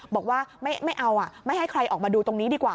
บอกว่าไม่เอาไม่ให้ใครออกมาดูตรงนี้ดีกว่า